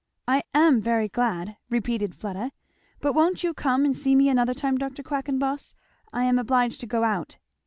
"I am very glad!" repeated Fleda. "But won't you come and see me another time, Dr. Quackenboss? I am obliged to go out."